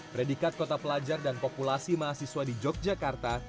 predikat kota pelajar dan populasi mahasiswa di yogyakarta